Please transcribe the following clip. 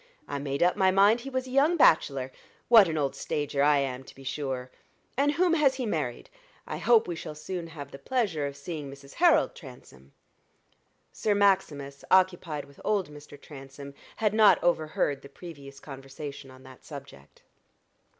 I made up my mind he was a young bachelor. What an old stager I am, to be sure! And whom has he married? I hope we shall soon have the pleasure of seeing Mrs. Harold Transome." Sir Maximus, occupied with old Mr. Transome, had not overheard the previous conversation on that subject.